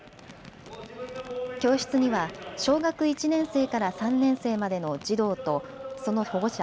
教室には小学１年生から３年生までの児童とその保護者